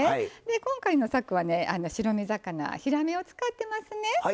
今回のさくはね白身魚ひらめを使ってますね。